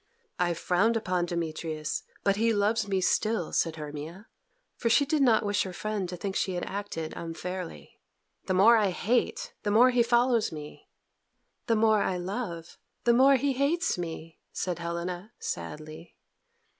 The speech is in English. "I frowned upon Demetrius, but he loves me still," said Hermia, for she did not wish her friend to think she had acted unfairly. "The more I hate, the more he follows me." "The more I love, the more he hates me," said Helena sadly.